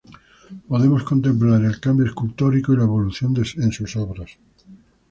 Podemos contemplar el cambio escultórico y la evolución en sus obras.